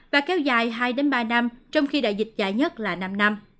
và kéo dài hai ba năm trong khi đại dịch dài nhất là năm năm